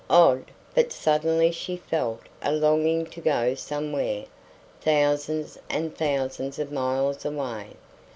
Odd, but suddenly she felt a longing to go somewhere, thousands and thousands of miles away.